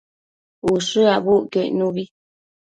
Ushë abucquio icnubi